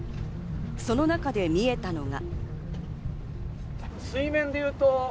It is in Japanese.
その中で見えたのは。